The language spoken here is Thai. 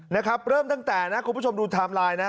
นะครับเริ่มตั้งแต่นะคุณผู้ชมดูไทม์ไลน์นะ